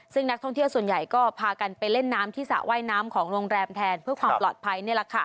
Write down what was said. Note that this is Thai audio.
ซึ่งนักท่องเที่ยวส่วนใหญ่ก็พากันไปเล่นน้ำที่สระว่ายน้ำของโรงแรมแทนเพื่อความปลอดภัย